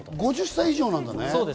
５０歳以上なんだね。